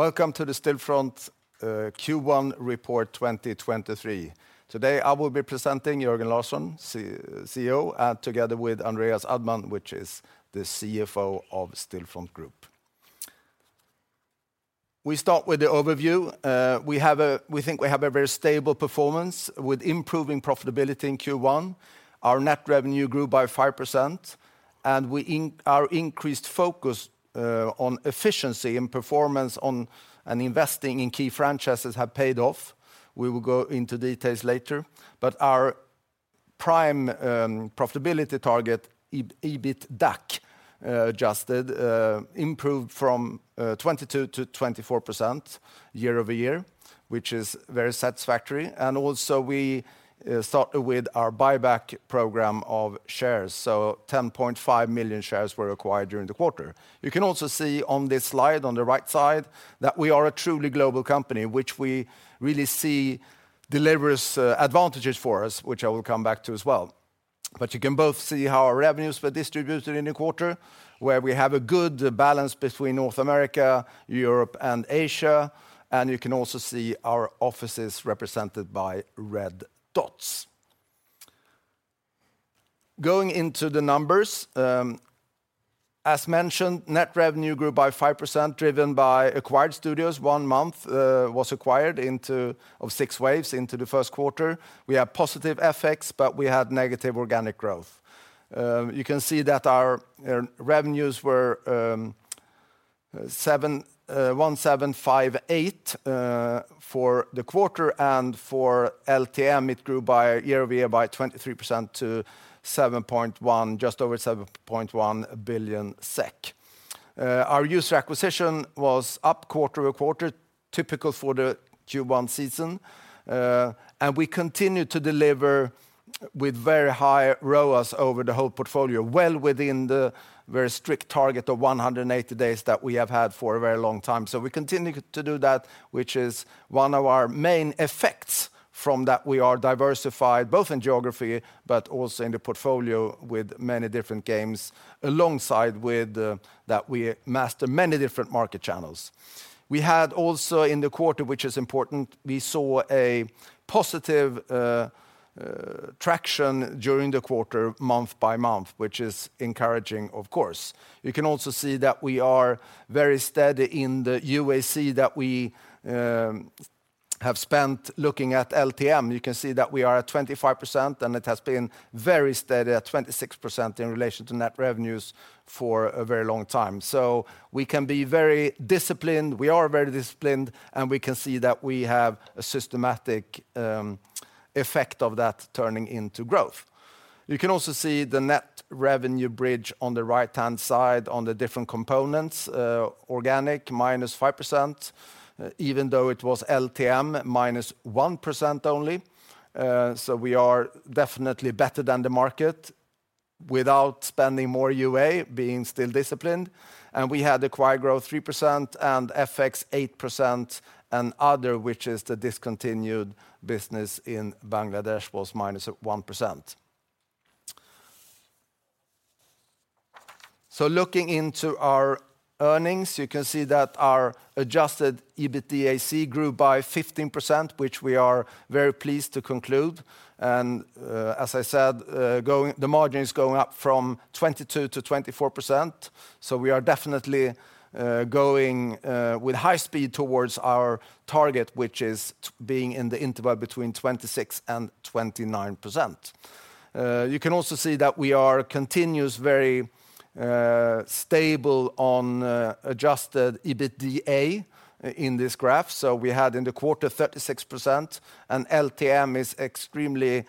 Welcome to the Stillfront Q1 report 2023. Today I will be presenting Jörgen Larsson, CEO, together with Andreas Uddman, which is the CFO of Stillfront Group. We start with the overview. We think we have a very stable performance with improving profitability in Q1. Our net revenue grew by 5%, our increased focus on efficiency and performance and investing in key franchises have paid off. We will go into details later. Our prime profitability target, EBITDAC Adjusted, improved from 22%-24% year-over-year, which is very satisfactory. Also we start with our buyback program of shares. 10.5 million shares were acquired during the quarter. You can also see on this slide on the right side that we are a truly global company, which we really see delivers advantages for us, which I will come back to as well. You can both see how our revenues were distributed in the quarter, where we have a good balance between North America, Europe, and Asia, and you can also see our offices represented by red dots. Going into the numbers, as mentioned, net revenue grew by 5% driven by acquired studios. One month was acquired of 6waves into the first quarter. We have positive effects, but we had negative organic growth. You can see that our revenues were 1,758 million for the quarter, and for LTM it grew by year-over-year by 23% to 7.1 billion, just over 7.1 billion SEK. Our user acquisition was up quarter-over-quarter, typical for the Q1 season, and we continued to deliver with very high ROAS over the whole portfolio, well within the very strict target of 180 days that we have had for a very long time. We continue to do that, which is one of our main effects from that we are diversified, both in geography, but also in the portfolio with many different games, alongside with that we master many different market channels. We had also in the quarter, which is important, we saw a positive traction during the quarter month by month, which is encouraging, of course. You can also see that we are very steady in the UAC that we have spent looking at LTM. You can see that we are at 25%, and it has been very steady at 26% in relation to net revenues for a very long time. We can be very disciplined. We are very disciplined, and we can see that we have a systematic effect of that turning into growth. You can also see the net revenue bridge on the right-hand side on the different components, organic -5%, even though it was LTM -1% only. We are definitely better than the market without spending more UA, being still disciplined. We had acquired growth 3% and FX 8% and other, which is the discontinued business in Bangladesh, was -1%. Looking into our earnings, you can see that our Adjusted EBITDAC grew by 15%, which we are very pleased to conclude. As I said, the margin is going up from 22%-24%. We are definitely going with high speed towards our target, which is being in the interval between 26% and 29%. You can also see that we are continuous, very stable on Adjusted EBITDA in this graph. We had in the quarter 36%, and LTM is extremely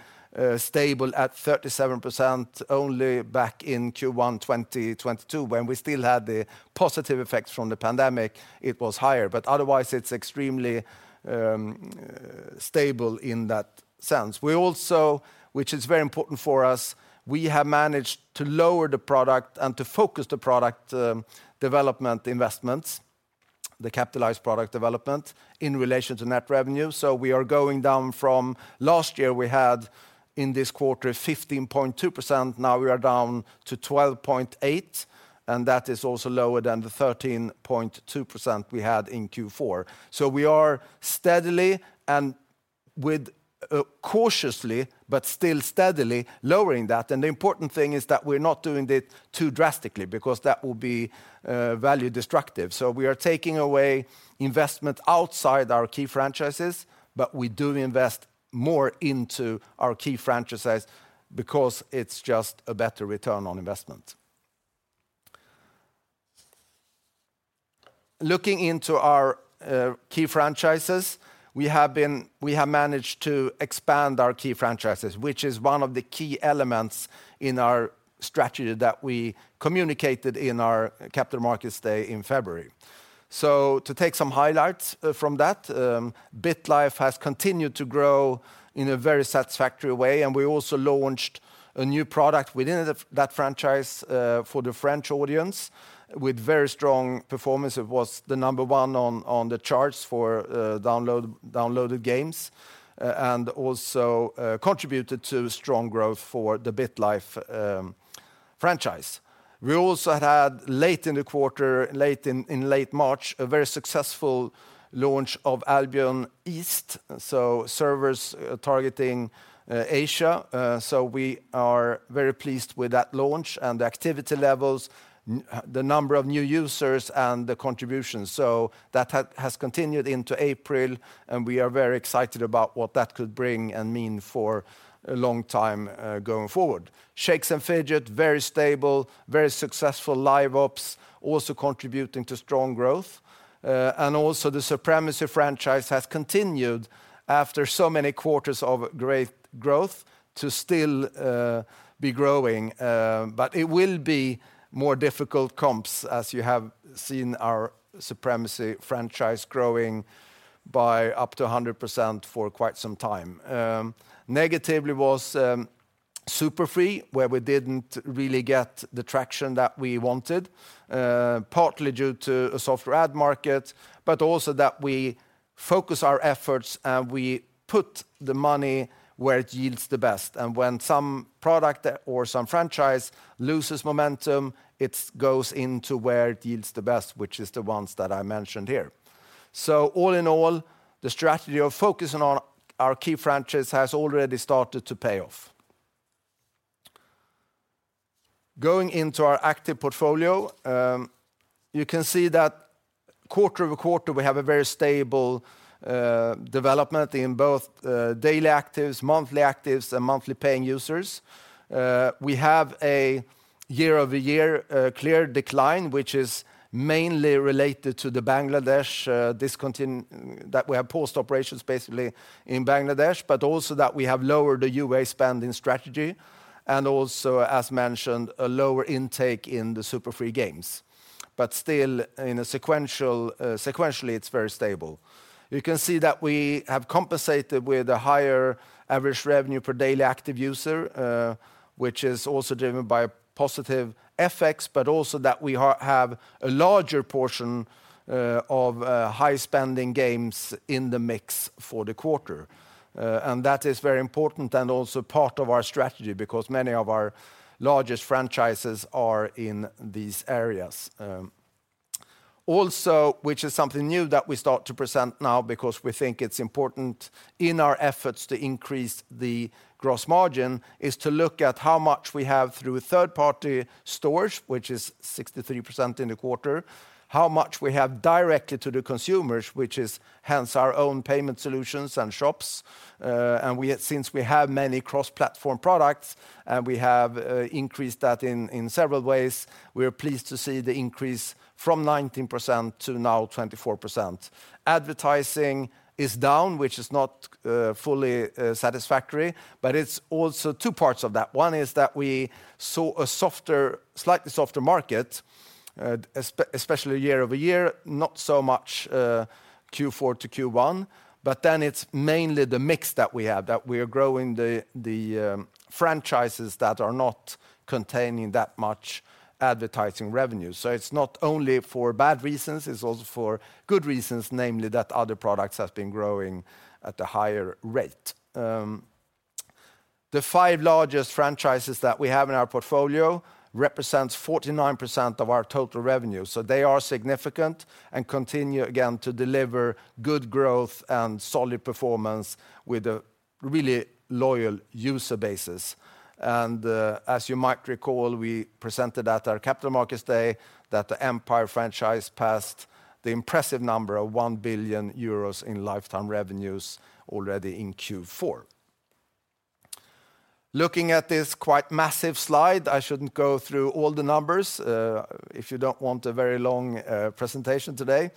stable at 37%, only back in Q1 2022 when we still had the positive effects from the pandemic, it was higher. Otherwise, it's extremely stable in that sense. We also, which is very important for us, we have managed to lower the product and to focus the product development investments, the capitalized product development in relation to net revenue. We are going down from last year we had in this quarter 15.2%, now we are down to 12.8%, and that is also lower than the 13.2% we had in Q4. We are steadily and with cautiously but still steadily lowering that. The important thing is that we're not doing it too drastically because that will be value destructive. We are taking away investment outside our key franchises, but we do invest more into our key franchises because it's just a better return on investment. Looking into our key franchises, we have managed to expand our key franchises, which is one of the key elements in our strategy that we communicated in our Capital Markets Day in February. To take some highlights from that, BitLife has continued to grow in a very satisfactory way, and we also launched a new product within that franchise for the French audience with very strong performance. It was the number 1 on the charts for downloaded games, and also contributed to strong growth for the BitLife franchise. We also had late in the quarter, late in late March, a very successful launch of Albion East, servers targeting Asia. We are very pleased with that launch and the activity levels, the number of new users, and the contributions. That has continued into April, and we are very excited about what that could bring and mean for a long time going forward. Shakes & Fidget, very stable, very successful live ops, also contributing to strong growth. Also the Supremacy franchise has continued after so many quarters of great growth to still be growing. It will be more difficult comps as you have seen our Supremacy franchise growing by up to 100% for quite some time. Negatively was Super Free, where we didn't really get the traction that we wanted, partly due to a softer ad market, but also that we focus our efforts and we put the money where it yields the best. When some product or some franchise loses momentum, it goes into where it yields the best, which is the ones that I mentioned here. All in all, the strategy of focusing on our key franchises has already started to pay off. Going into our active portfolio, you can see that quarter-over-quarter we have a very stable development in both daily actives, monthly actives, and monthly paying users. We have a year-over-year clear decline, which is mainly related to the Bangladesh that we have post operations basically in Bangladesh, but also that we have lowered the UA spending strategy and also, as mentioned, a lower intake in the Super Free Games. Still sequentially, it's very stable. You can see that we have compensated with a higher average revenue per daily active user, which is also driven by positive FX, but also that we have a larger portion of high-spending games in the mix for the quarter. That is very important and also part of our strategy because many of our largest franchises are in these areas. Which is something new that we start to present now because we think it's important in our efforts to increase the gross margin, is to look at how much we have through third-party stores, which is 63% in the quarter, how much we have directly to the consumers, which is hence our own payment solutions and shops. Since we have many cross-platform products, and we have increased that in several ways, we are pleased to see the increase from 19% to now 24%. Advertising is down, which is not fully satisfactory, but it's also two parts of that. One is that we saw a softer, slightly softer market, especially year-over-year, not so much Q4 to Q1, but then it's mainly the mix that we have, that we are growing the franchises that are not containing that much advertising revenue. It's not only for bad reasons, it's also for good reasons, namely that other products have been growing at a higher rate. The five largest franchises that we have in our portfolio represents 49% of our total revenue. They are significant and continue again to deliver good growth and solid performance with a really loyal user bases. As you might recall, we presented at our Capital Markets Day that the Empire franchise passed the impressive number of 1 billion euros in lifetime revenues already in Q4. Looking at this quite massive slide, I shouldn't go through all the numbers, if you don't want a very long presentation today,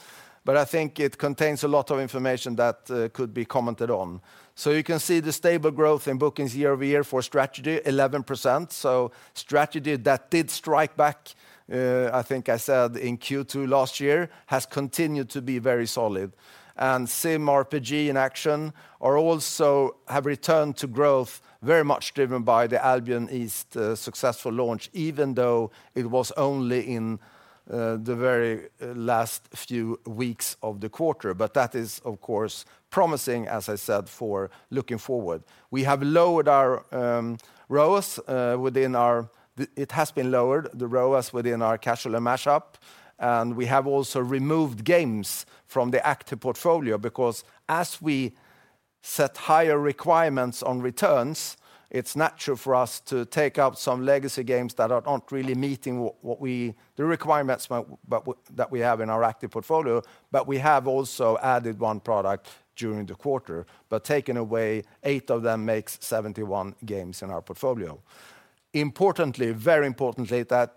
but I think it contains a lot of information that could be commented on. You can see the stable growth in bookings year-over-year for Strategy, 11%. Strategy that did strike back, I think I said in Q2 last year, has continued to be very solid. Sim, RPG, and Action are also have returned to growth very much driven by the Albion East successful launch, even though it was only in the very last few weeks of the quarter. That is, of course, promising, as I said, for looking forward. We have lowered our ROAS within our Casual & Mash-up, and we have also removed games from the active portfolio because as we set higher requirements on returns, it's natural for us to take out some legacy games that are not really meeting what the requirements that we have in our active portfolio. We have also added one product during the quarter, but taken away eight of them makes 71 games in our portfolio. Importantly, very importantly, that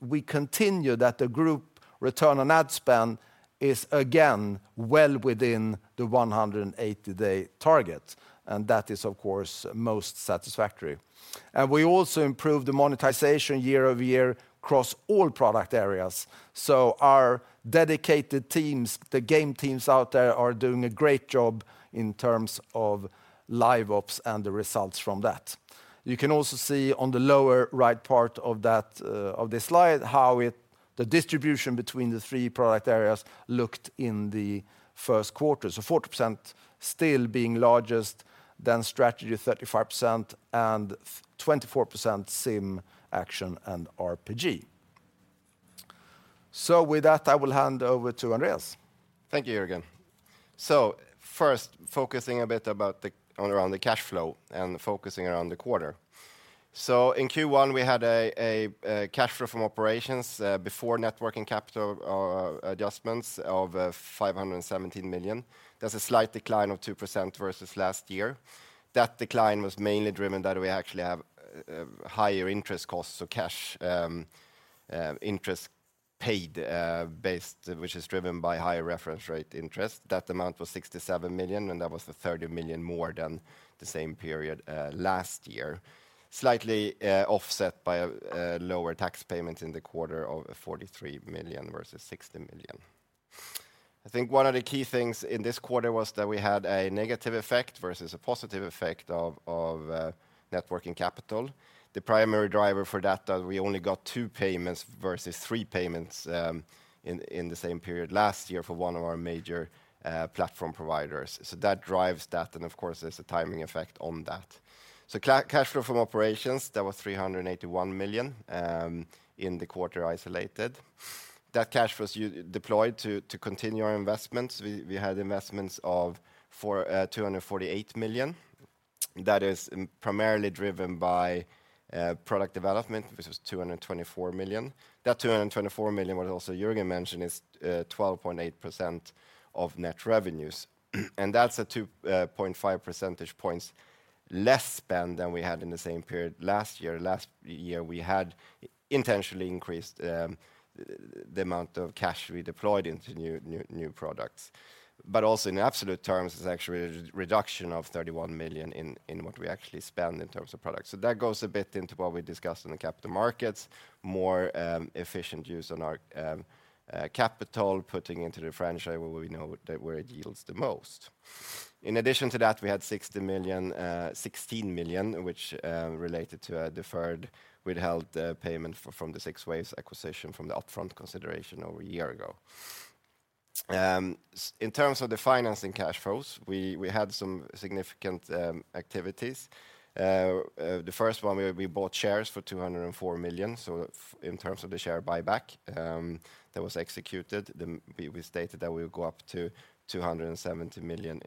we continue that the group ROAS is again well within the 180-day target, that is, of course, most satisfactory. We also improved the monetization year-over-year across all product areas. Our dedicated teams, the game teams out there are doing a great job in terms of live ops and the results from that. You can also see on the lower right part of that of this slide how the distribution between the three product areas looked in the first quarter. 40% still being largest, then Strategy 35%, and 24% Sim, Action and RPG. With that, I will hand over to Andreas. Thank you, Jörgen. First, focusing a bit on around the cash flow and focusing around the quarter. In Q1, we had a Cash Flow from operations before net working capital adjustments of 517 million. That's a slight decline of 2% versus last year. That decline was mainly driven that we actually have higher interest costs, so cash interest paid, which is driven by higher reference rate interest. That amount was 67 million, that was 30 million more than the same period last year. Slightly offset by a lower tax payment in the quarter of 43 million versus 60 million. I think one of the key things in this quarter was that we had a negative effect versus a positive effect of net working capital. The primary driver for that we only got two payments versus three payments in the same period last year for one of our major platform providers. That drives that, and of course, there's a timing effect on that. Cash Flow from operations, that was 381 million in the quarter isolated. That cash was deployed to continue our investments. We had investments of 248 million. That is primarily driven by product development, which was 224 million. That 224 million, what also Jörgen mentioned, is 12.8% of net revenues. That's a 2.5% points less spend than we had in the same period last year. Last year, we had intentionally increased the amount of cash we deployed into new products. Also in absolute terms, it's actually a reduction of 31 million in what we actually spend in terms of products. That goes a bit into what we discussed in the capital markets, more efficient use on our capital, putting into the franchise where we know that where it yields the most. In addition to that, we had 16 million, which related to a deferred withheld payment from the 6waves acquisition from the upfront consideration over a year ago. In terms of the financing cash flows, we had some significant activities. The first one, we bought shares for 204 million. In terms of the share buyback, that was executed, we stated that we would go up to 270 million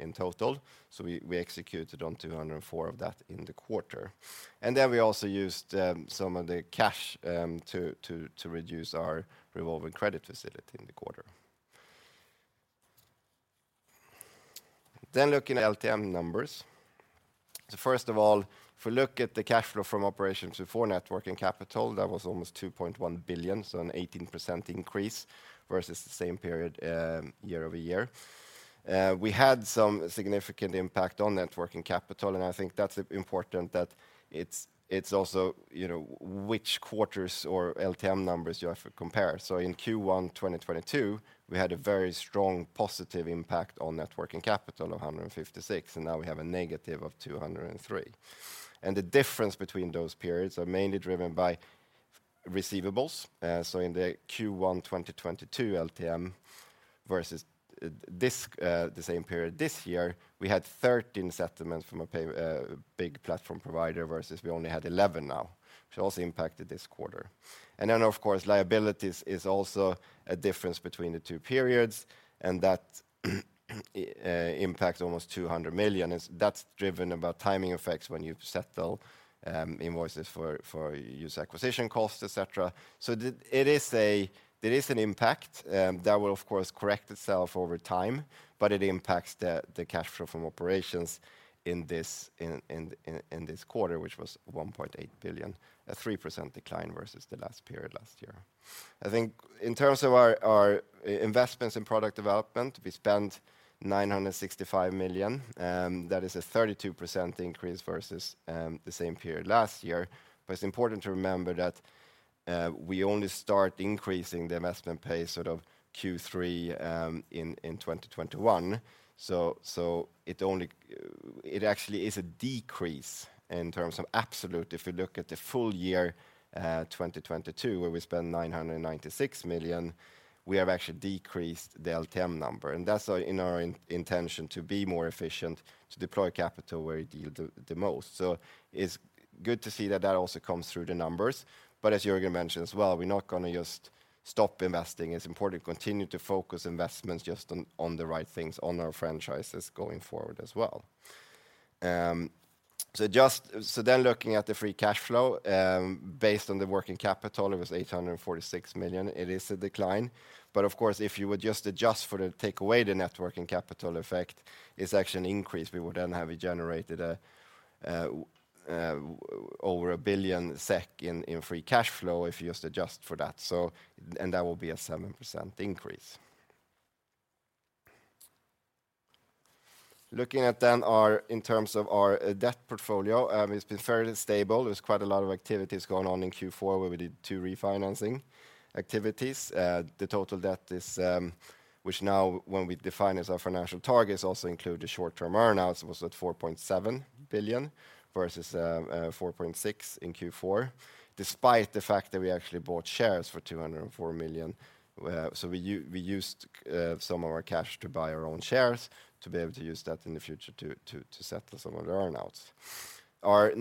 in total. We executed on 204 of that in the quarter. We also used some of the cash to reduce our revolving credit facility in the quarter. Looking at LTM numbers. First of all, if we look at the Cash Flow from operations before net working capital, that was almost 2.1 billion, an 18% increase versus the same period year-over-year. We had some significant impact on net working capital, and I think that's important that it's also, you know, which quarters or LTM numbers you have to compare. In Q1 2022, we had a very strong positive impact on net working capital of 156, and now we have a negative of 203. The difference between those periods are mainly driven by receivables. In the Q1 2022 LTM versus this, the same period this year, we had 13 settlements from a big platform provider versus we only had 11 now, which also impacted this quarter. Then, of course, liabilities is also a difference between the two periods, and that impacts almost 200 million. That's driven about timing effects when you settle invoices for user acquisition costs, et cetera. There is an impact that will of course correct itself over time, but it impacts the Cash Flow from operations in this quarter, which was 1.8 billion, a 3% decline versus the last period last year. I think in terms of our investments in product development, we spent 965 million, that is a 32% increase versus the same period last year. It's important to remember that we only start increasing the investment pace sort of Q3 in 2021. It actually is a decrease in terms of absolute. If you look at the full year 2022, where we spent 996 million, we have actually decreased the LTM number. That's in our intention to be more efficient, to deploy capital where it yield the most. It's good to see that that also comes through the numbers. As Jörgen mentioned as well, we're not gonna just stop investing. It's important to continue to focus investments just on the right things, on our franchises going forward as well. Then looking at the free cash flow, based on the working capital, it was 846 million. It is a decline. Of course, if you would just adjust for the net working capital effect, it's actually an increase. We would then have generated over 1 billion SEK in free cash flow if you just adjust for that. That will be a 7% increase. Looking at our, in terms of our debt portfolio, it's been fairly stable. There's quite a lot of activities going on in Q4 where we did 2 refinancing activities. The total debt is, which now when we define as our financial targets also include the short-term earn-outs was at 4.7 billion versus 4.6 billion in Q4, despite the fact that we actually bought shares for 204 million. We used some of our cash to buy our own shares to be able to use that in the future to settle some of the earn-outs. Our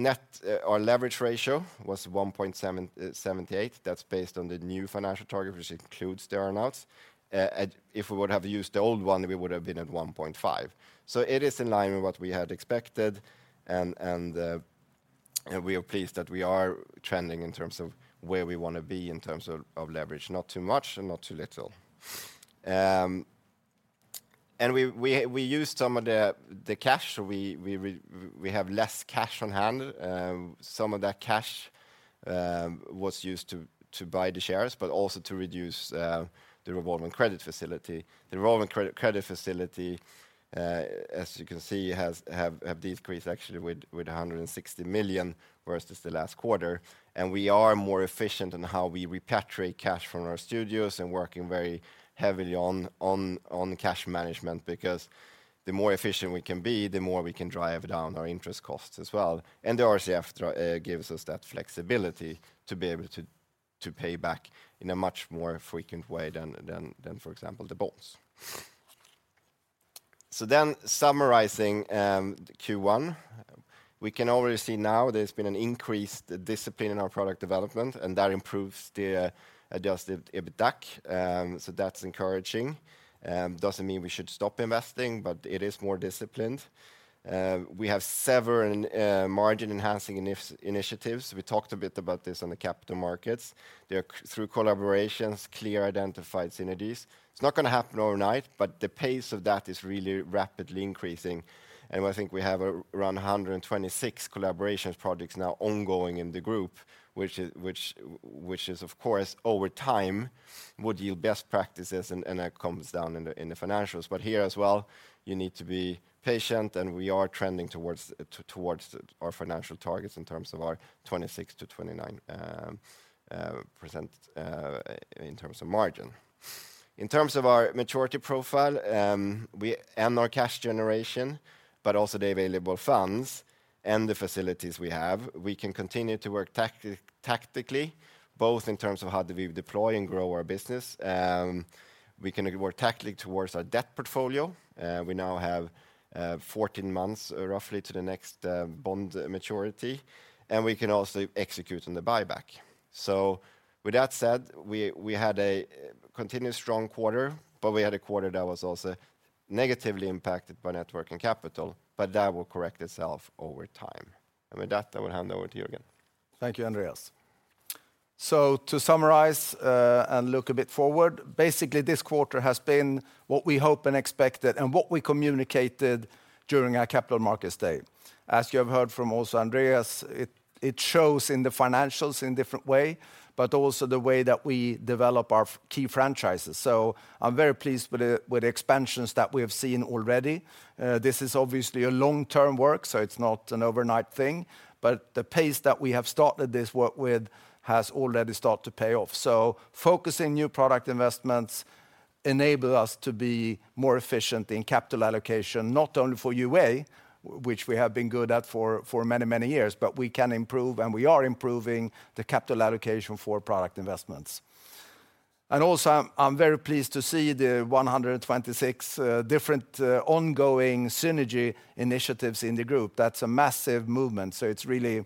leverage ratio was 1.78. That's based on the new financial target which includes the earn-outs. If we would have used the old one, we would have been at 1.5. It is in line with what we had expected and we are pleased that we are trending in terms of where we want to be in terms of leverage. Not too much and not too little. And we used some of the cash. We have less cash on hand. Some of that cash was used to buy the shares, but also to reduce the revolving credit facility. The revolving credit facility, as you can see, has decreased actually with 160 million SEK versus the last quarter. We are more efficient in how we repatriate cash from our studios and working very heavily on cash management because the more efficient we can be, the more we can drive down our interest costs as well. The RCF gives us that flexibility to be able to pay back in a much more frequent way than, for example, the bonds. Summarizing Q1, we can already see now there's been an increased discipline in our product development, and that improves the Adjusted EBITDA. That's encouraging. Doesn't mean we should stop investing, but it is more disciplined. We have several margin-enhancing initiatives. We talked a bit about this on the Capital Markets through collaborations, clear identified synergies. It's not gonna happen overnight, but the pace of that is really rapidly increasing. I think we have around 126 collaborations projects now ongoing in the group, which is of course over time would yield best practices and that comes down in the financials. Here as well, you need to be patient, and we are trending towards our financial targets in terms of our 26%-29% in terms of margin. In terms of our maturity profile, and our cash generation, but also the available funds and the facilities we have, we can continue to work tactically, both in terms of how do we deploy and grow our business. We can work tactically towards our debt portfolio. We now have 14 months roughly to the next bond maturity, and we can also execute on the buyback. With that said, we had a continuous strong quarter, but we had a quarter that was also negatively impacted by net working capital, but that will correct itself over time. With that, I will hand over to you, again. Thank you, Andreas. To summarize, and look a bit forward, basically this quarter has been what we hope and expected and what we communicated during our Capital Markets Day. As you have heard from also Andreas, it shows in the financials in different way, but also the way that we develop our key franchises. I'm very pleased with the expansions that we have seen already. This is obviously a long-term work, so it's not an overnight thing, but the pace that we have started this work with has already start to pay off. Focusing new product investments enable us to be more efficient in capital allocation, not only for UA, which we have been good at for many, many years, but we can improve, and we are improving the capital allocation for product investments. Also, I'm very pleased to see the 126 different ongoing synergy initiatives in the group. That's a massive movement, so it's really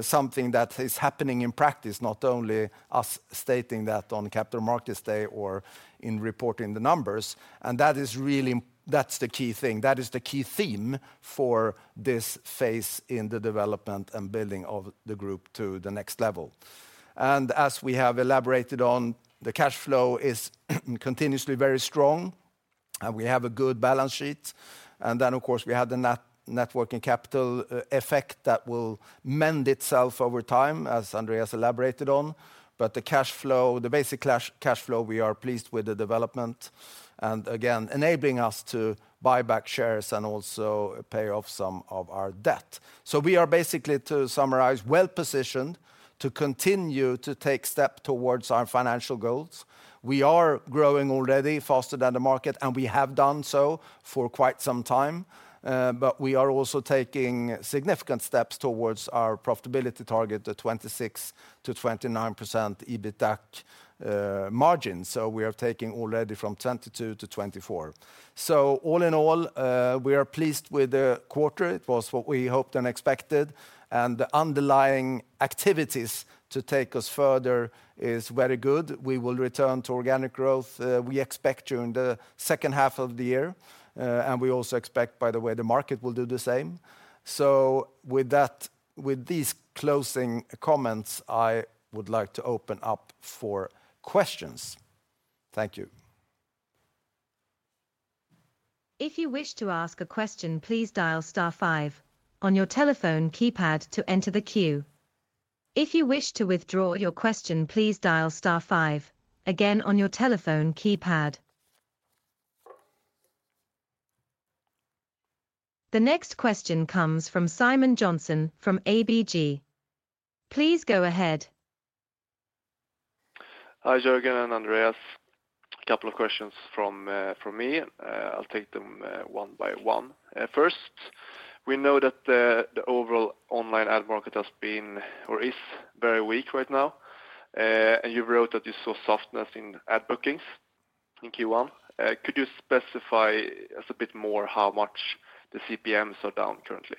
something that is happening in practice, not only us stating that on Capital Markets Day or in reporting the numbers. That is really that's the key thing. That is the key theme for this phase in the development and building of the group to the next level. As we have elaborated on, the cash flow is continuously very strong, and we have a good balance sheet. Then of course, we have the networking capital effect that will mend itself over time, as Andreas elaborated on. The cash flow, the basic cash flow, we are pleased with the development and again enabling us to buy back shares and also pay off some of our debt. We are basically, to summarize, well-positioned to continue to take step towards our financial goals. We are growing already faster than the market, and we have done so for quite some time. but we are also taking significant steps towards our profitability target, the 26%-29% EBITDAC margin. We are taking already from 22%-24%. All in all, we are pleased with the quarter. It was what we hoped and expected, and the underlying activities to take us further is very good. We will return to organic growth, we expect during the second half of the year. and we also expect, by the way, the market will do the same. With that, with these closing comments, I would like to open up for questions. Thank you. If you wish to ask a question, please dial star five on your telephone keypad to enter the queue. If you wish to withdraw your question, please dial star five again on your telephone keypad. The next question comes from Simon Jönsson from ABG. Please go ahead. Hi, Jörgen and Andreas. A couple of questions from from me. I'll take them one by one. First, we know that the overall online ad market has been or is very weak right now. You wrote that you saw softness in ad bookings in Q1. Could you specify us a bit more how much the CPMs are down currently?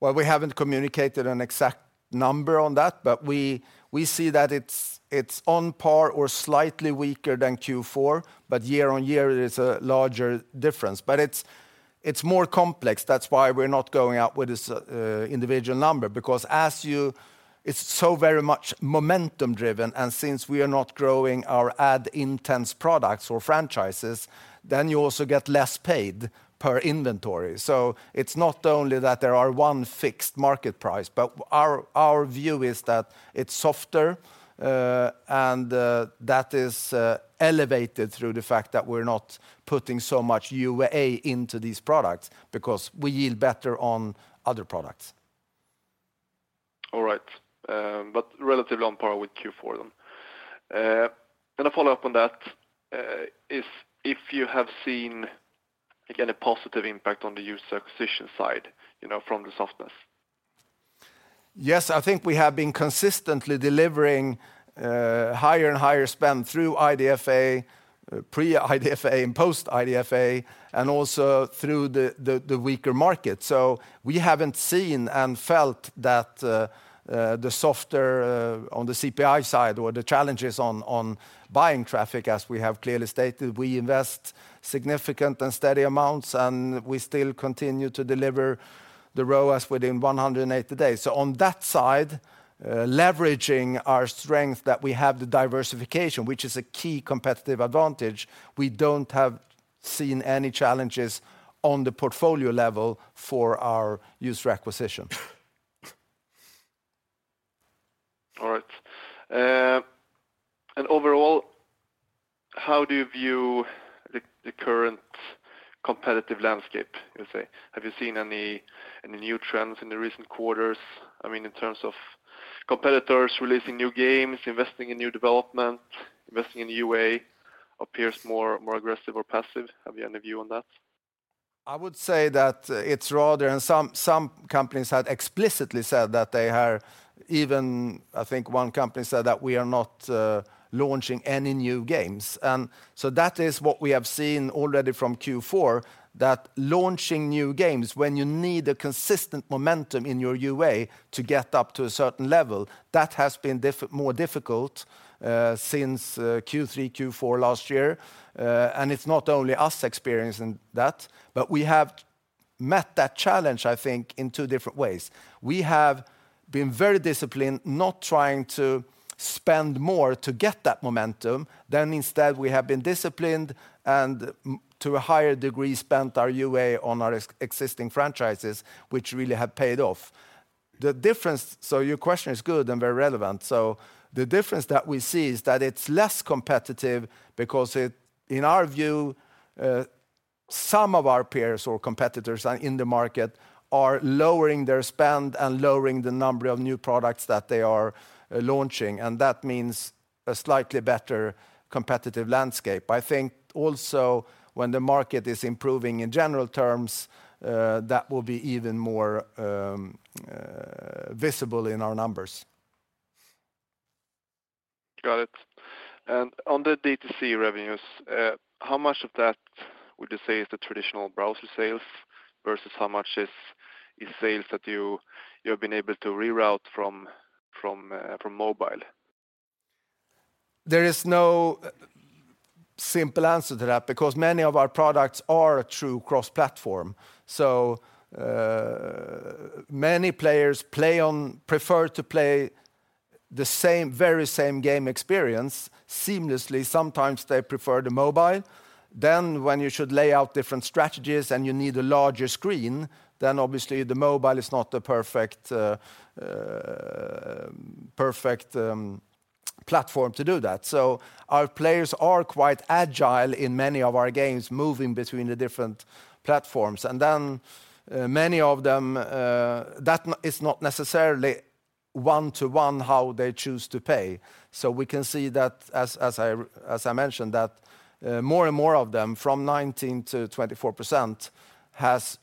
Well, we haven't communicated an exact number on that, but we see that it's on par or slightly weaker than Q4, but year-over-year it is a larger difference. It's more complex. That's why we're not going out with this individual number because it's so very much momentum driven, and since we are not growing our ad intense products or franchises, then you also get less paid per inventory. It's not only that there are one fixed market price, but our view is that it's softer, and that is elevated through the fact that we're not putting so much UA into these products because we yield better on other products. Relatively on par with Q4 then. A follow-up on that is if you have seen, again, a positive impact on the user acquisition side, you know, from the softness? I think we have been consistently delivering, higher and higher spend through IDFA, pre-IDFA and post-IDFA, and also through the weaker market. We haven't seen and felt that, the softer, on the CPI side or the challenges on buying traffic as we have clearly stated, we invest significant and steady amounts, and we still continue to deliver the ROAS within 180 days. On that side, leveraging our strength that we have the diversification, which is a key competitive advantage, we don't have seen any challenges on the portfolio level for our user acquisition. All right. Overall, how do you view the current competitive landscape, you would say? Have you seen any new trends in the recent quarters? I mean, in terms of competitors releasing new games, investing in new development, investing in UA, appears more aggressive or passive. Have you any view on that? I would say that it's rather, some companies had explicitly said that they are I think 1 company said that we are not launching any new games. That is what we have seen already from Q4, that launching new games when you need a consistent momentum in your UA to get up to a certain level, that has been more difficult since Q3, Q4 last year. It's not only us experiencing that, but we have met that challenge, I think, in two different ways. We have been very disciplined not trying to spend more to get that momentum. Instead, we have been disciplined and to a higher degree spent our UA on our existing franchises, which really have paid off. Your question is good and very relevant. The difference that we see is that it's less competitive because in our view, some of our peers or competitors are in the market are lowering their spend and lowering the number of new products that they are launching, and that means a slightly better competitive landscape. I think also when the market is improving in general terms, that will be even more visible in our numbers. Got it. On the D2C revenues, how much of that would you say is the traditional browser sales versus how much is sales that you've been able to reroute from mobile? There is no simple answer to that because many of our products are true cross-platform. Many players prefer to play the same, very same game experience seamlessly. Sometimes they prefer the mobile. Then when you should lay out different strategies and you need a larger screen, then obviously the mobile is not the perfect platform to do that. Our players are quite agile in many of our games, moving between the different platforms. Many of them that is not necessarily one-to-one how they choose to pay. We can see that as I, as I mentioned, that more and more of them from 19%-24% has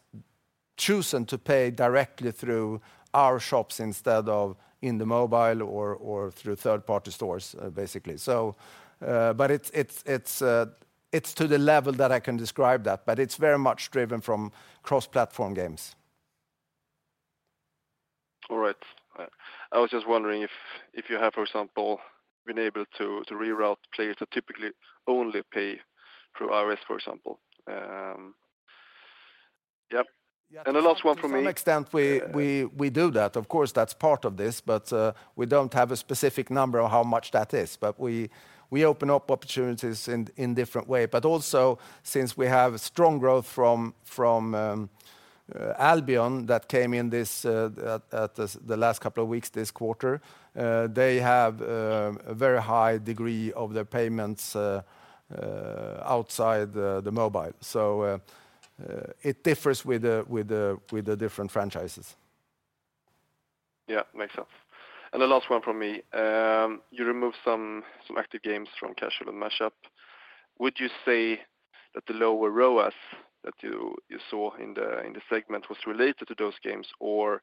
chosen to pay directly through our shops instead of in the mobile or through third-party stores, basically. It's to the level that I can describe that, but it's very much driven from cross-platform games. All right. I was just wondering if you have, for example, been able to reroute players that typically only pay through iOS, for example. Yep. Yeah. The last one from me. To some extent, we do that, of course, that's part of this, but we don't have a specific number of how much that is. We open up opportunities in different way. Also since we have strong growth from Albion that came in this at the last couple of weeks this quarter, they have a very high degree of their payments outside the mobile. It differs with the different franchises. Yeah, makes sense. The last one from me. You removed some active games from Casual and Mash-up. Would you say that the lower ROAS that you saw in the segment was related to those games or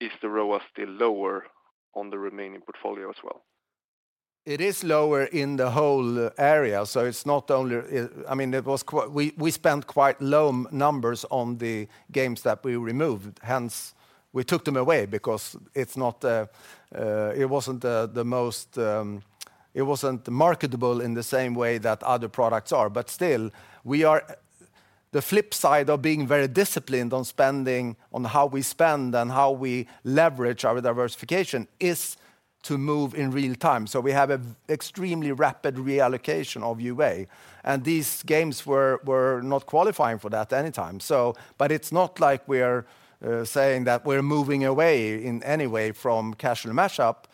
is the ROAS still lower on the remaining portfolio as well? It is lower in the whole area, so it's not only. I mean, we spent quite low numbers on the games that we removed, hence we took them away because it's not. It wasn't the most marketable in the same way that other products are. Still, the flip side of being very disciplined on spending on how we spend and how we leverage our diversification is to move in real time. We have an extremely rapid reallocation of UA, and these games were not qualifying for that anytime. It's not like we're saying that we're moving away in any way from Casual and Mash-up.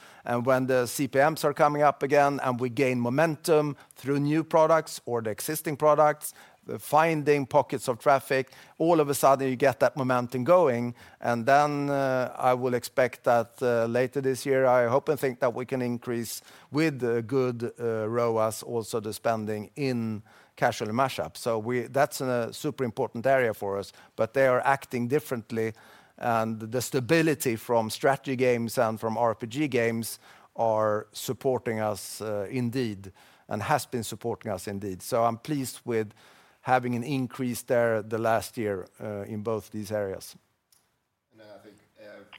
When the CPMs are coming up again and we gain momentum through new products or the existing products, finding pockets of traffic, all of a sudden you get that momentum going, then I will expect that later this year, I hope and think that we can increase with good ROAS also the spending in Casual and Mash-up. That's a super important area for us. They are acting differently, and the stability from Strategy games and from RPG games are supporting us indeed, and has been supporting us indeed. I'm pleased with having an increase there the last year in both these areas. I think.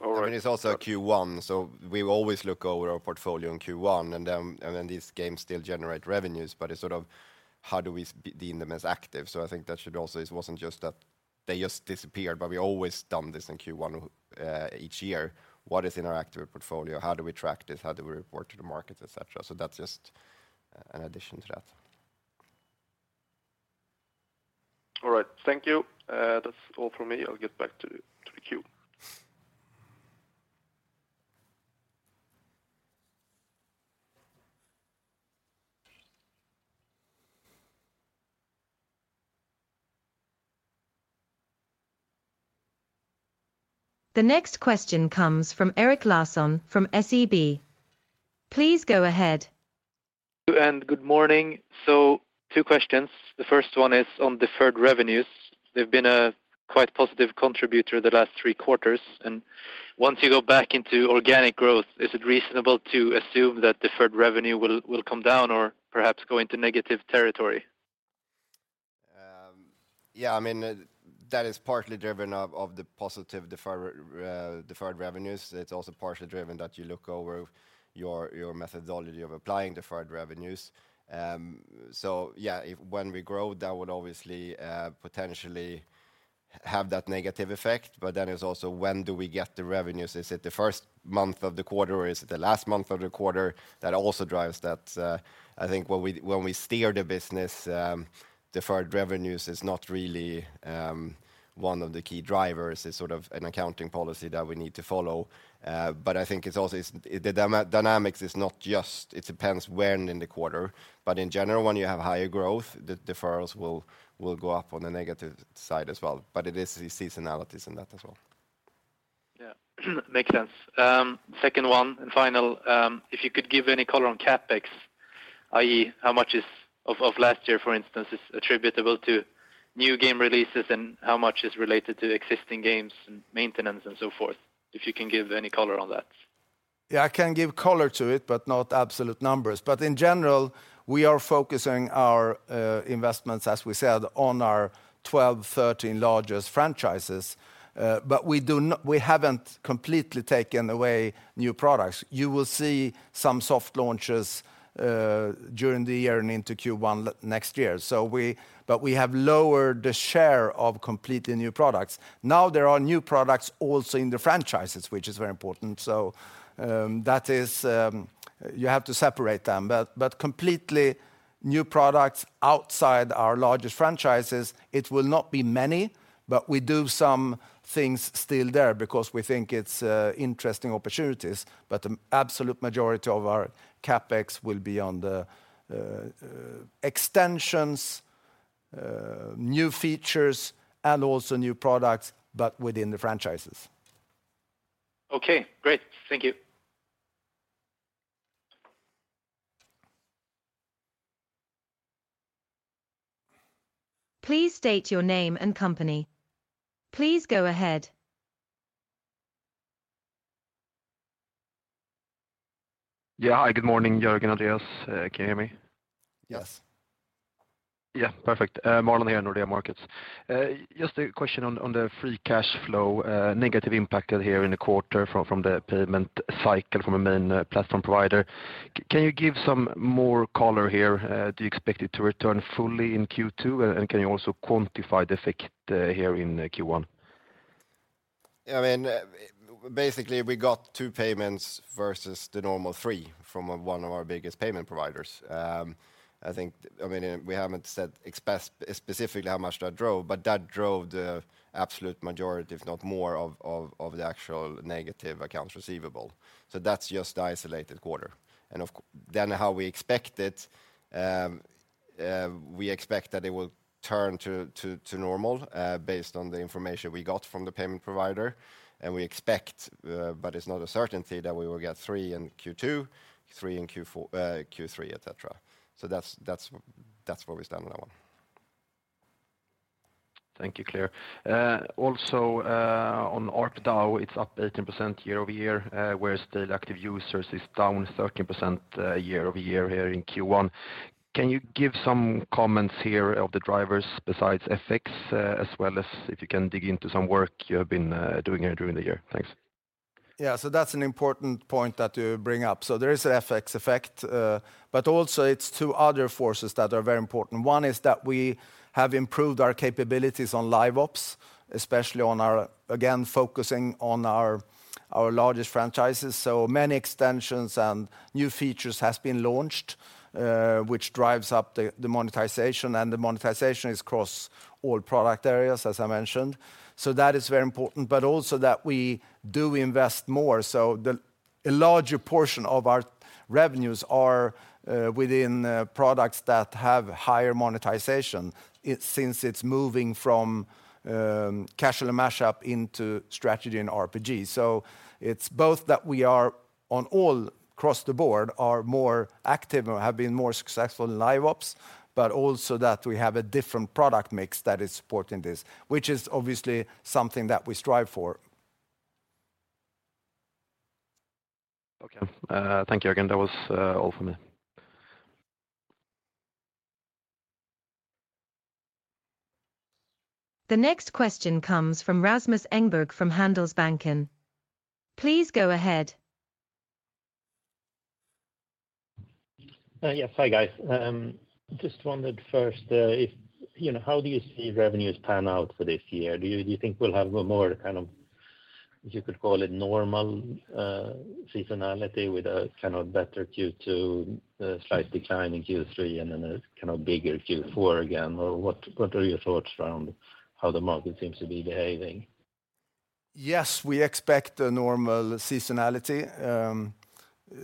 All right. I mean, it's also Q1. We always look over our portfolio in Q1, and then these games still generate revenues. It's sort of how do we deem them as active. I think that should also. It wasn't just that they just disappeared, but we always done this in Q1 each year. What is in our active portfolio? How do we track this? How do we report to the market, et cetera? That's just an addition to that. All right. Thank you. That's all from me. I'll get back to the queue. The next question comes from Erik Larsson from SEB. Please go ahead. Good morning. Two questions. The first one is on deferred revenues. They've been a quite positive contributor the last three quarters. Once you go back into organic growth, is it reasonable to assume that deferred revenue will come down or perhaps go into negative territory? Yeah, I mean, that is partly driven of the positive deferred revenues. It's also partially driven that you look over your methodology of applying deferred revenues. Yeah, when we grow, that would obviously potentially have that negative effect. It's also when do we get the revenues? Is it the first month of the quarter or is it the last month of the quarter? That also drives that. I think when we steer the business, deferred revenues is not really one of the key drivers. It's sort of an accounting policy that we need to follow. I think it's also The dynamics is not just it depends when in the quarter, but in general, when you have higher growth, the deferrals will go up on the negative side as well. It is seasonalities in that as well. Makes sense. second one and final, if you could give any color on CapEx, i.e., how much is of last year, for instance, is attributable to new game releases and how much is related to existing games and maintenance and so forth? If you can give any color on that. Yeah, I can give color to it, but not absolute numbers. In general, we are focusing our investments, as we said, on our 12, 13 largest franchises. We haven't completely taken away new products. You will see some soft launches during the year and into Q1 next year. We have lowered the share of completely new products. There are new products also in the franchises, which is very important. That is. You have to separate them. Completely new products outside our largest franchises, it will not be many, but we do some things still there because we think it's interesting opportunities. The absolute majority of our CapEx will be on the extensions, new features and also new products, but within the franchises. Okay, great. Thank you. Please state your name and company. Please go ahead. Yeah. Hi, good morning, Jörgen, Andreas. Can you hear me? Yes. Yeah. Perfect. Marlon here, Nordea Markets. Just a question on the free cash flow negative impact here in the quarter from the payment cycle from a main platform provider. Can you give some more color here? Do you expect it to return fully in Q2? Can you also quantify the effect here in Q1? I mean, basically we got two payments versus the normal three from one of our biggest payment providers. I mean, we haven't said specifically how much that drove, but that drove the absolute majority, if not more of the actual negative accounts receivable. That's just the isolated quarter. Then how we expect it, we expect that it will turn to normal, based on the information we got from the payment provider, and we expect, but it's not a certainty that we will get three in Q2, three in Q3, et cetera. That's where we stand on that one. Thank you. Clear. Also, on ARPDAU, it's up 18% year-over-year, whereas daily active users is down 13% year-over-year here in Q1. Can you give some comments here of the drivers besides FX, as well as if you can dig into some work you have been doing here during the year? Thanks. Yeah. That's an important point that you bring up. There is an FX effect, but also it's two other forces that are very important. One is that we have improved our capabilities on live ops, especially again, focusing on our largest franchises. Many extensions and new features has been launched, which drives up the monetization, and the monetization is across all product areas, as I mentioned. That is very important, but also that we do invest more. A larger portion of our revenues are within products that have higher monetization. Since it's moving from Casual and Mash-up into Strategy and RPG. It's both that we are on all across the board are more active and have been more successful in live ops, but also that we have a different product mix that is supporting this, which is obviously something that we strive for. Okay. Thank you again. That was all for me. The next question comes from Rasmus Engberg from Handelsbanken. Please go ahead. Yes. Hi, guys. Just wondered first, you know, how do you see revenues pan out for this year? Do you think we'll have a more kind of, if you could call it normal, seasonality with a kind of better Q2, slight decline in Q3, and then a kind of bigger Q4 again? Or what are your thoughts around how the market seems to be behaving? Yes, we expect a normal seasonality,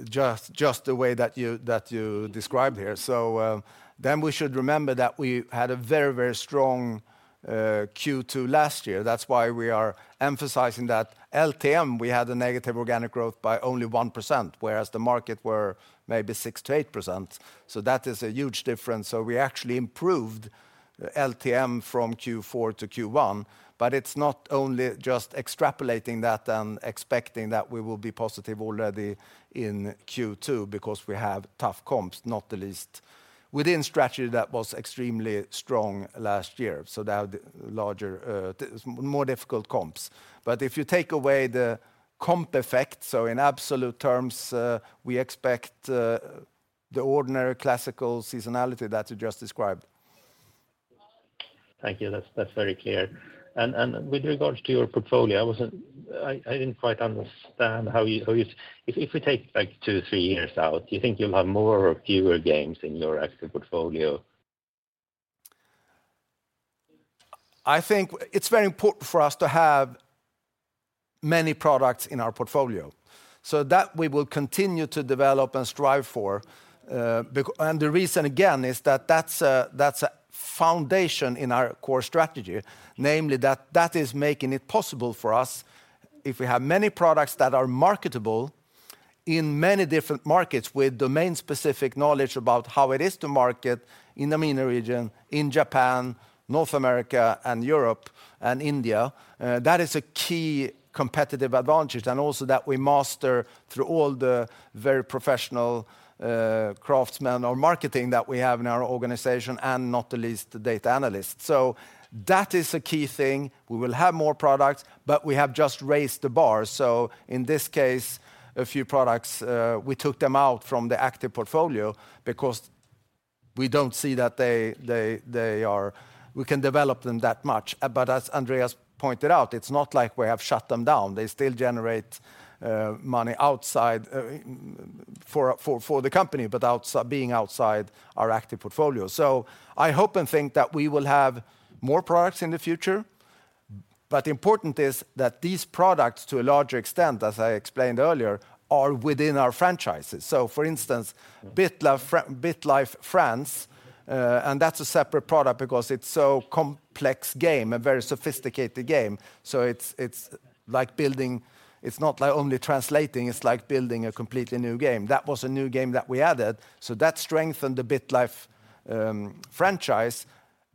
just the way that you described here. We should remember that we had a very strong Q2 last year. That's why we are emphasizing that LTM, we had a negative organic growth by only 1%, whereas the market were maybe 6%-8%. That is a huge difference. We actually improved LTM from Q4 to Q1, but it's not only just extrapolating that and expecting that we will be positive already in Q2 because we have tough comps, not the least within Strategy that was extremely strong last year. That larger, more difficult comps. If you take away the comp effect, in absolute terms, we expect the ordinary classical seasonality that you just described. Thank you. That's very clear. With regards to your portfolio, I didn't quite understand if we take like two, three years out, do you think you'll have more or fewer games in your active portfolio? I think it's very important for us to have many products in our portfolio so that we will continue to develop and strive for, and the reason again is that that's a foundation in our core strategy, namely that that is making it possible for us if we have many products that are marketable in many different markets with domain-specific knowledge about how it is to market in the MENA region, in Japan, North America, and Europe, and India. That is a key competitive advantage, and also that we master through all the very professional, craftsmen or marketing that we have in our organization, and not the least the data analysts. That is a key thing. We will have more products, but we have just raised the bar. In this case, a few products, we took them out from the active portfolio because we don't see that they are we can develop them that much. As Andreas Uddman pointed out, it's not like we have shut them down. They still generate money outside for the company, being outside our active portfolio. I hope and think that we will have more products in the future. Important is that these products, to a larger extent, as I explained earlier, are within our franchises. For instance, BitLife DE, and that's a separate product because it's so complex game, a very sophisticated game. It's like building it's not like only translating, it's like building a completely new game. That was a new game that we added. That strengthened the BitLife franchise,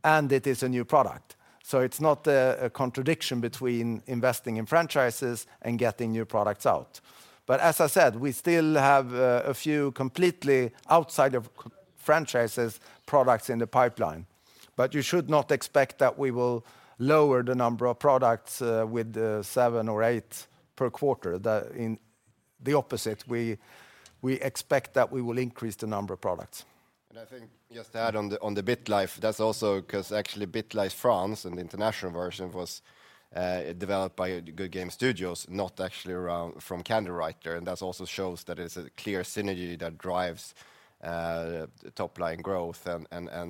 and it is a new product. It's not a contradiction between investing in franchises and getting new products out. As I said, we still have a few completely outside of franchises products in the pipeline. You should not expect that we will lower the number of products with seven or eight per quarter. The opposite. We expect that we will increase the number of products. I think just to add on the BitLife, that's also 'cause actually BitLife DE and the international version was developed by Goodgame Studios, not actually around from Candywriter. That also shows that it's a clear synergy that drives top line growth and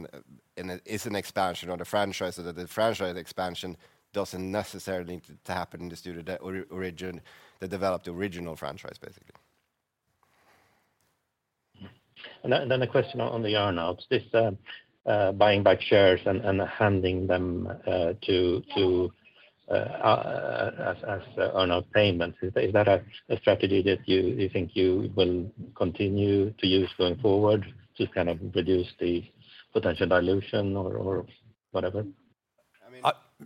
it is an expansion on the franchise, so that the franchise expansion doesn't necessarily need to happen in the studio that developed the original franchise, basically. Then a question on the earn-outs. This buying back shares and handing them to as earn-out payments, is that a strategy that you think you will continue to use going forward to kind of reduce the potential dilution or whatever?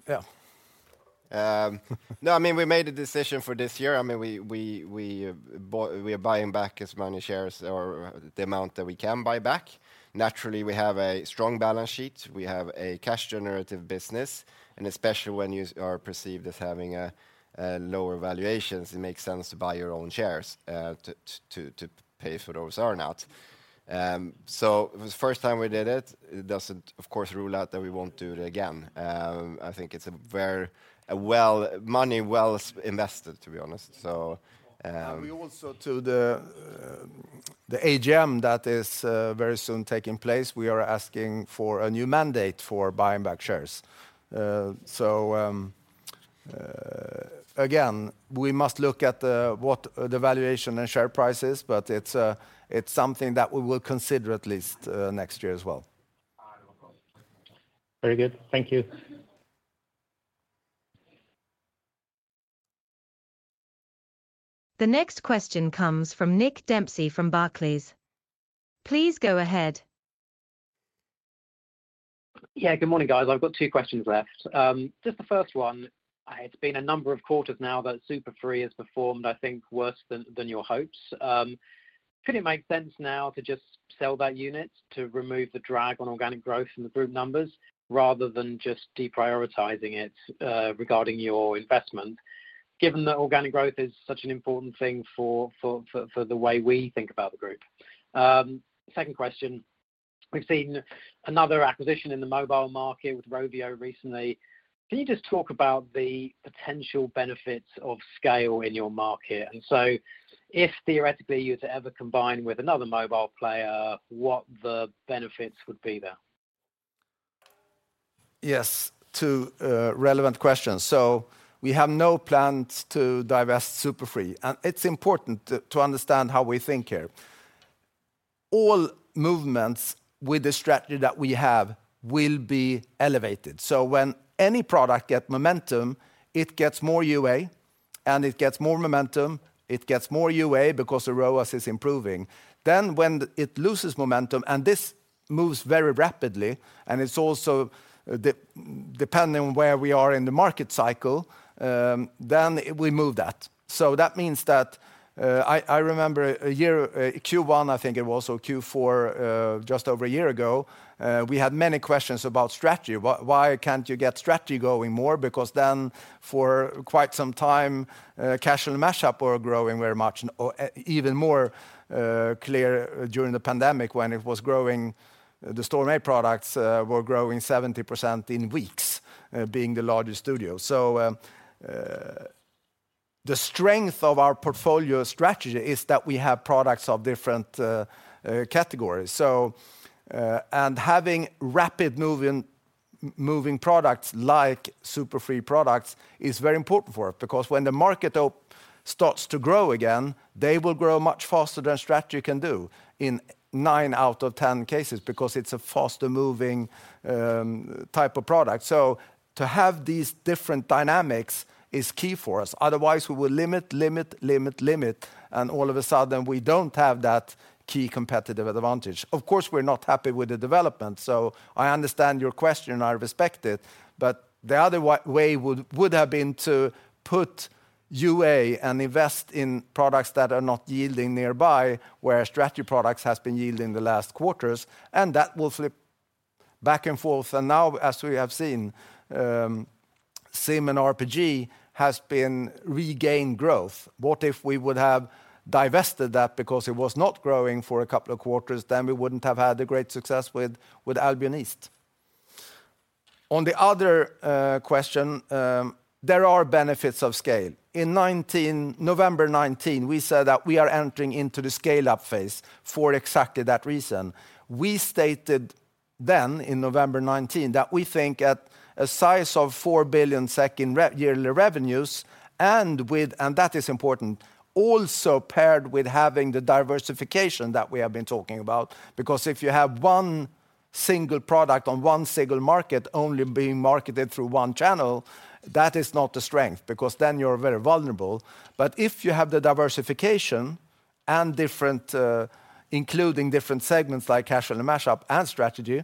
Yeah. No, I mean, we made a decision for this year. I mean, we are buying back as many shares or the amount that we can buy back. Naturally, we have a strong balance sheet. We have a cash generative business, and especially when you are perceived as having lower valuations, it makes sense to buy your own shares, to pay for those earn-outs. It was the first time we did it. It doesn't of course rule out that we won't do it again. I think it's money well invested, to be honest. We also to the AGM that is very soon taking place, we are asking for a new mandate for buying back shares. Again, we must look at what the valuation and share price is, but it's something that we will consider at least next year as well. Very good. Thank you. The next question comes from Nick Dempsey from Barclays. Please go ahead. Yeah, good morning, guys. I've got two questions left. Just the first one. It's been a number of quarters now that Super Free has performed, I think, worse than your hopes. Could it make sense now to just sell that unit to remove the drag on organic growth in the group numbers rather than just deprioritizing it regarding your investment, given that organic growth is such an important thing for the way we think about the group? Second question. We've seen another acquisition in the mobile market with Rovio recently. Can you just talk about the potential benefits of scale in your market? If theoretically you were to ever combine with another mobile player, what the benefits would be there? Yes. Two relevant questions. We have no plans to divest Super Free, and it's important to understand how we think here. All movements with the strategy that we have will be elevated. When any product get momentum, it gets more UA, and it gets more momentum, it gets more UA because the ROAS is improving. When it loses momentum, and this moves very rapidly, and it's also depending on where we are in the market cycle, then we move that. That means that I remember one year, Q1, I think it was, or Q4, just over one year ago, we had many questions about Strategy. Why can't you get Strategy going more? For quite some time, Casual and Mash-up were growing very much, or even more clear during the pandemic when it was growing the Storm8 products, were growing 70% in weeks, being the largest studio. The strength of our portfolio Strategy is that we have products of different categories. And having rapid moving products like Super Free products is very important for us because when the market starts to grow again, they will grow much faster than Strategy can do in 9 out of 10 cases because it's a faster-moving type of product. To have these different dynamics is key for us. Otherwise, we will limit, and all of a sudden, we don't have that key competitive advantage. Of course, we're not happy with the development, so I understand your question. I respect it. The other way would have been to put UA and invest in products that are not yielding nearby, where Strategy products has been yielding the last quarters, and that will flip back and forth. Now, as we have seen, Sim and RPG has been regained growth. What if we would have divested that because it was not growing for a couple of quarters, then we wouldn't have had the great success with Albion East. On the other question, there are benefits of scale. In November 2019, we said that we are entering into the scale-up phase for exactly that reason. We stated then in November 2019 that we think at a size of 4 billion in yearly revenues and that is important, also paired with having the diversification that we have been talking about. If you have one single product on one single market only being marketed through one channel, that is not a strength because then you're very vulnerable. If you have the diversification and different, including different segments like Casual and Mash-up and Strategy,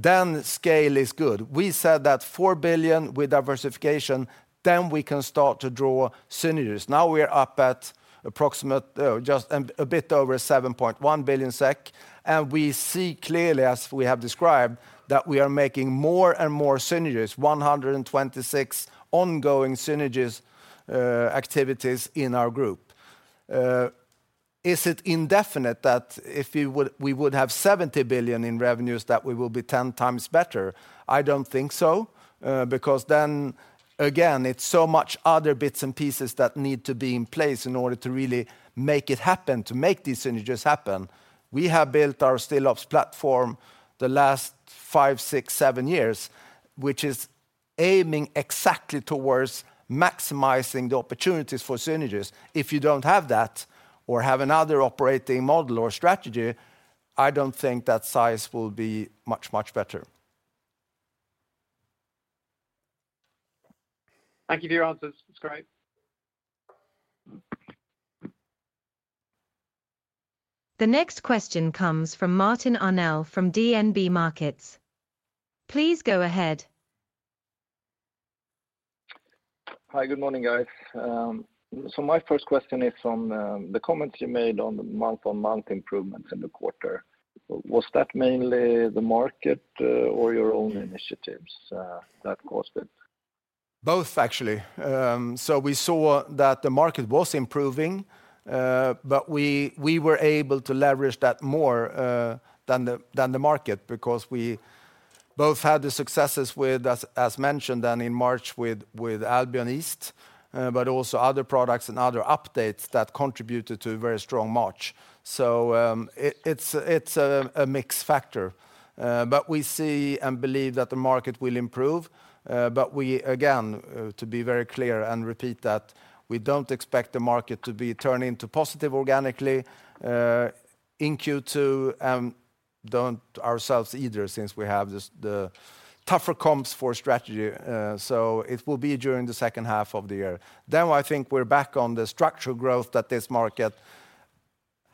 then scale is good. We said that 4 billion with diversification, then we can start to draw synergies. We are up at approximate, just a bit over 7.1 billion SEK, and we see clearly, as we have described, that we are making more and more synergies, 126 ongoing synergies, activities in our group. Is it indefinite that if we would have $70 billion in revenues that we will be 10 times better? I don't think so, because then again, it's so much other bits and pieces that need to be in place in order to really make it happen, to make these synergies happen. We have built our Stillops platform the last five, six, seven years, which is aiming exactly towards maximizing the opportunities for synergies. If you don't have that or have another operating model or strategy, I don't think that size will be much, much better. Thank you for your answers. It's great. The next question comes from Martin Arnell from DNB Markets. Please go ahead. Hi, good morning, guys. My first question is on the comments you made on the month-on-month improvements in the quarter. Was that mainly the market or your own initiatives that caused it? Both, actually. We saw that the market was improving, but we were able to leverage that more than the market because we both had the successes with as mentioned and in March with Albion East, but also other products and other updates that contributed to a very strong March. It's a mixed factor. But we see and believe that the market will improve, but we again, to be very clear and repeat that we don't expect the market to be turning to positive organically in Q2, don't ourselves either since we have this, the tougher comps for strategy, so it will be during the second half of the year. I think we're back on the structural growth that this market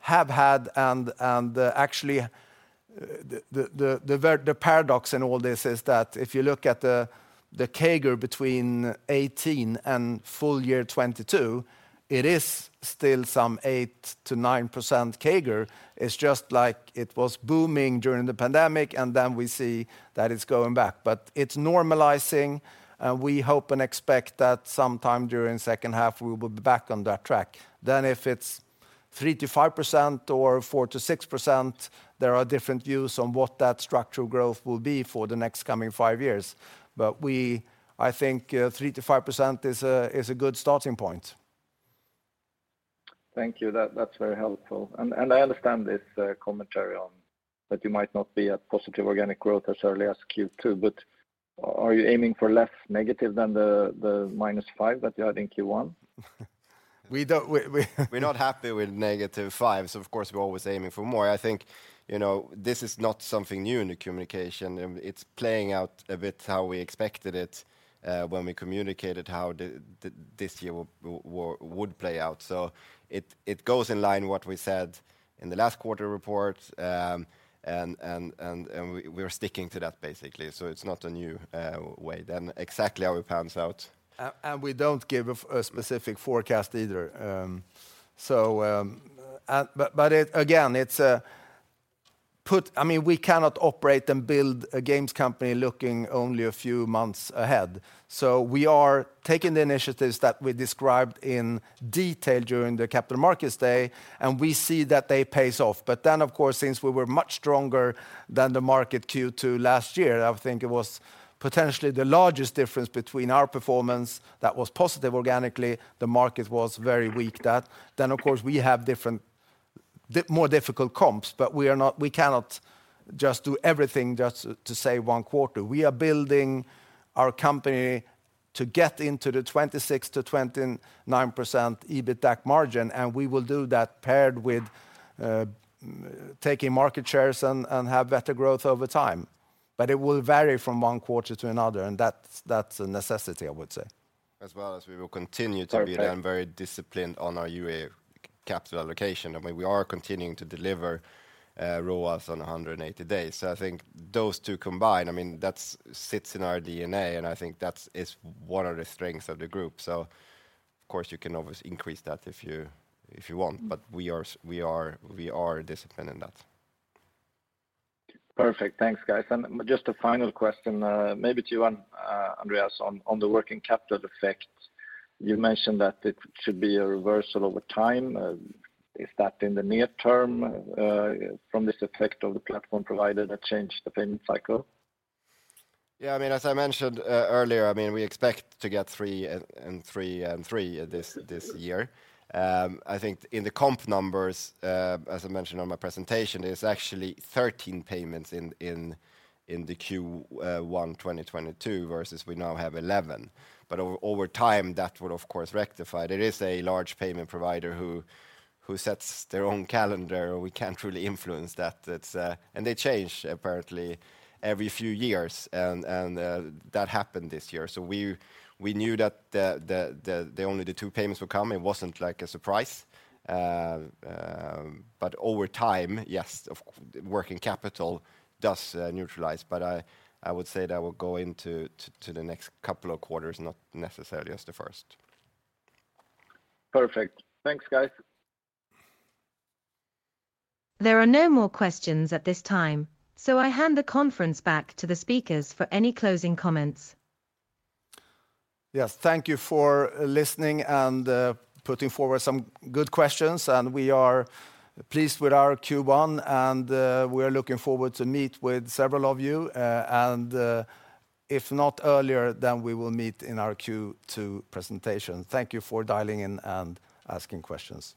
have had and actually the paradox in all this is that if you look at the CAGR between 2018 and full year 2022, it is still some 8%-9% CAGR. It's just like it was booming during the pandemic, and then we see that it's going back. It's normalizing, and we hope and expect that sometime during second half we will be back on that track. If it's 3%-5% or 4%-6%, there are different views on what that structural growth will be for the next coming 5 years. I think 3%-5% is a good starting point. Thank you. That's very helpful. I understand this commentary on that you might not be at positive organic growth as early as Q2, are you aiming for less negative than the minus 5 that you had in Q1? We. We're not happy with -5, so of course, we're always aiming for more. I think, you know, this is not something new in the communication. It's playing out a bit how we expected it when we communicated how this year would play out. It goes in line what we said in the last quarter report and we're sticking to that basically. It's not a new way than exactly how it pans out. We don't give a specific forecast either. It again, it's a I mean, we cannot operate and build a games company looking only a few months ahead. We are taking the initiatives that we described in detail during the Capital Markets Day, and we see that they pays off. Of course, since we were much stronger than the market Q2 last year, I think it was potentially the largest difference between our performance that was positive organically, the market was very weak that. Of course, we have different more difficult comps, but we cannot just do everything just to save one quarter. We are building our company to get into the 26%-29% EBITDA margin. We will do that paired with taking market shares and have better growth over time. It will vary from one quarter to another, and that's a necessity, I would say. As well as we will continue. Perfect Very disciplined on our UA capital allocation. I mean, we are continuing to deliver ROAS on 180 days. I think those two combined, I mean, that's sits in our DNA, and I think that's-- is one of the strengths of the group. Of course, you can always increase that if you, if you want, but we are disciplined in that. Perfect. Thanks, guys. Just a final question, maybe to you, Andreas, on the working capital effect. You mentioned that it should be a reversal over time. Is that in the near term from this effect of the platform provider that changed the payment cycle? Yeah. I mean, as I mentioned, earlier, I mean, we expect to get three and three and three this year. I think in the comp numbers, as I mentioned on my presentation, there's actually 13 payments in the Q1 2022 versus we now have 11. Over time, that will of course rectify. It is a large payment provider who sets their own calendar. We can't really influence that. It's. They change apparently every few years and that happened this year. We knew that the only the two payments were coming. It wasn't like a surprise. Over time, yes, of course, working capital does neutralize. I would say that will go into the next couple of quarters, not necessarily as the first. Perfect. Thanks, guys. There are no more questions at this time. I hand the conference back to the speakers for any closing comments. Yes. Thank you for listening and putting forward some good questions. We are pleased with our Q1, and we are looking forward to meet with several of you. If not earlier, then we will meet in our Q2 presentation. Thank you for dialing in and asking questions.